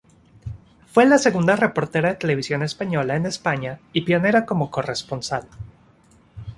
Fue la segunda reportera de Televisión Española en España y pionera como corresponsal.